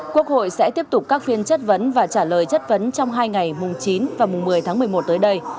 quốc hội sẽ tiếp tục các phiên chất vấn và trả lời chất vấn trong hai ngày mùng chín và mùng một mươi tháng một mươi một tới đây